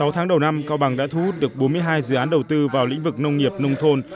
sáu tháng đầu năm cao bằng đã thu hút được bốn mươi hai dự án đầu tư vào lĩnh vực nông nghiệp nông thôn